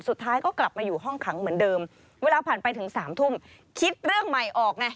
สุดท้ายก็กลับมาอยู่ห้องขังเหมือนเดิมเวลาผ่านไปถึงสามทุ่มคิดเรื่องใหม่ออกไง